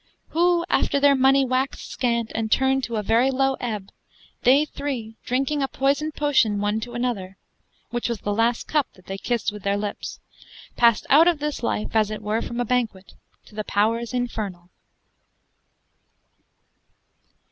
Who, after their money waxed scant, and turned to a very lowe ebbe, they three drinking a poysoned potion one to another (which was the last cuppe that they kissed with their lippes) passed out of this life (as it were from a banquet) to the powers infernall.